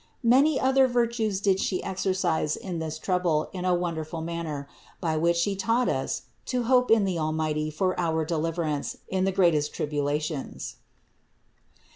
Many other virtues did She exercise in this trouble in a wonderful manner; by which She taught us to hope in the Almighty for our deliverance in the greatest tribulations.